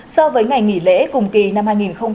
so với ngày nghỉ lễ cùng kỳ năm hai nghìn hai mươi hai